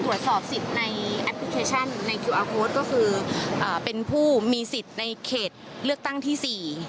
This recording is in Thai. ถือตรวจสอบสิทธิ์ในแอพพลิเคชั่นนี้คือเป็นผู้มีสิทธิ์ในเขตเลือกตั้งที่๔